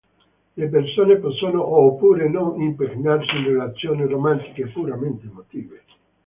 Le persone possono o oppure no impegnarsi in relazioni romantiche puramente emotive.